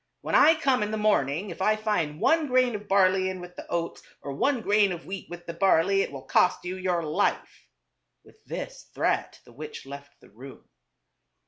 When I come in the morning, if I find one grain of barley in with the oats, or one grain of wheat with the barley, it will cost you your life." With this threat the witch left the room.